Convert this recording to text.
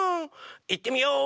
いってみよう！